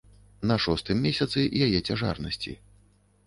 На шостым месяцы яе цяжарнасці.